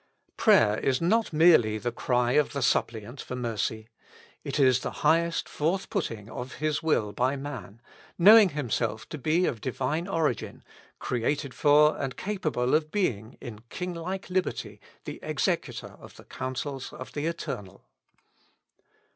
Prayer is not merely the cry of the suppliant for mercy ; it is the highest forth putting of his will by man, knowing himself to be of Divine origin, created for and capable of being, in kinglike liberty, the executor of the counsels of the Eternal.